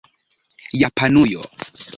japanujo